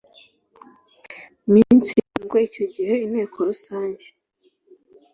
minsi irindwi Icyo gihe Inteko Rusange